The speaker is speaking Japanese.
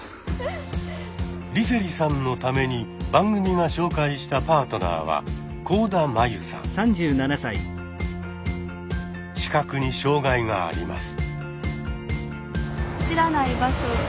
梨星さんのために番組が紹介したパートナーは視覚に障害があります。